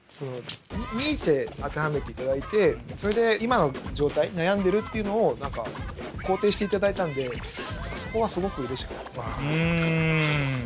ニーチェに当てはめていただいてそれで今の状態悩んでるっていうのを何か肯定していただいたんでそこはすごくうれしかったですね。